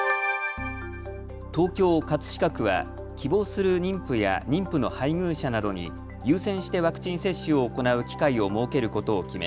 東京葛飾区は希望する妊婦や妊婦の配偶者などに優先してワクチン接種を行う機会を設けることを決め